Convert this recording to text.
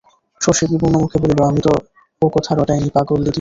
শশী বিবর্ণমুখে বলিল, আমি তো ওকথা রটাইনি পাগলদিদি।